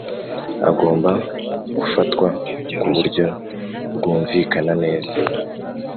Agomba gufatwa ku buryo bwumvikana neza